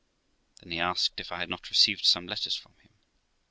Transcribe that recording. Then he asked if I had not received some letters from him.